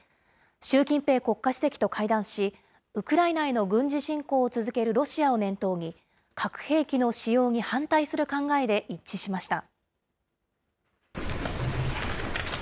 習近平国家主席と会談し、ウクライナへの軍事侵攻を続けるロシアを念頭に、核兵器の使用に反対する考えで一致しました。